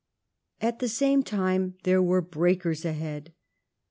At the same time there were breakers ahead.